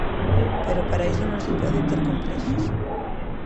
Pero para iso non se pode ter complexos.